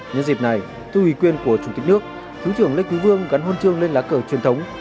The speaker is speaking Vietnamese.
nhân dịp này tư ủy quyền của chủ tịch nước thứ trưởng lê quý vương gắn hôn trương lên lá cờ truyền thống